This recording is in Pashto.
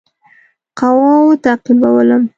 قواوو تعقیبولم.